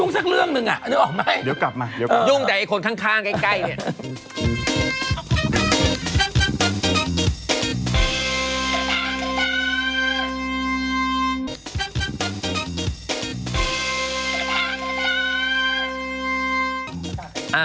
นึกออกไหมยุ่งแต่คนข้างใกล้เนี่ยเดี๋ยวกลับมา